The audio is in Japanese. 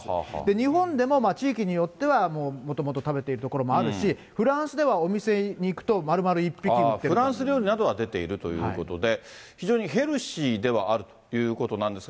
日本でも地域によっては、もともと食べている所もあるし、フランスではお店に行くと、フランス料理などは出ているということで、非常にヘルシーではあるということなんですが。